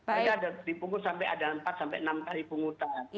ada di pungut sampai ada empat sampai enam kali pungutan